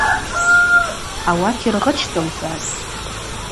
Ауат йыргъычтӏ, – лхӏватӏ.